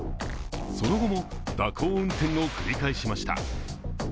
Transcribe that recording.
その後も蛇行運転を繰り返しました。